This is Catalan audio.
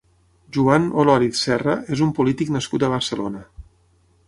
Joan Olòriz Serra és un polític nascut a Barcelona.